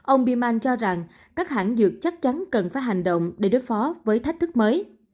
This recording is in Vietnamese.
ông biman cho rằng các hãng dược chắc chắn cần phải hành động để đối phó với thách thức mới